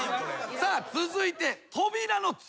さあ続いて。